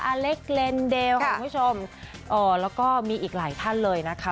อัเล็กเวรเดวคุณผู้ชมโอ้แล้วก็มีอีกหลายท่านเลยนะคะ